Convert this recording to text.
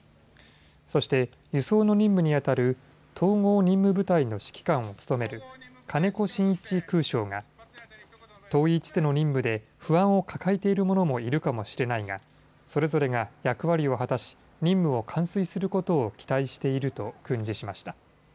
そして、輸送の任務にあたる統合任務部隊の指揮官を務める金古真一空将が遠い地での任務で不安を抱えている者もいるかもしれないがそれぞれが役割を果たし任務を完遂することを期待していると訓示しました。